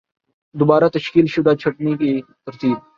دوبارہ تشکیل شدہ چھٹنی کی ترتیب